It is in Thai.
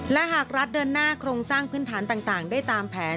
และหากรัฐเดินหน้าโครงสร้างพื้นฐานต่างได้ตามแผน